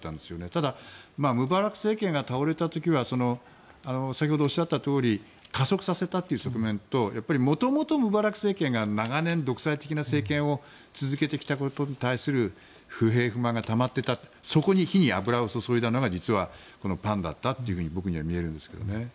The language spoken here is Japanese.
ただ、ムバラク政権が倒れた時は先ほどおっしゃったとおり加速させたという側面ともともとムバラク政権が長年、独裁的な政権を続けてきたことに対する不平、不満がたまっていたそこの火に油を注いだのが実はパンだったと僕には見えるんですけどね。